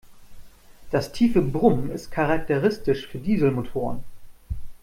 Das tiefe Brummen ist charakteristisch für Dieselmotoren.